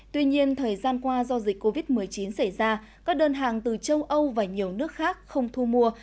tuy nhiên thời gian qua do dịch covid một mươi chín xảy ra các đơn hàng từ châu âu và nhiều nước khác không thu mua